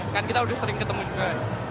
kan kita udah sering ketemu juga